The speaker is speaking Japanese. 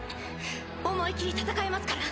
思い切り戦えますから。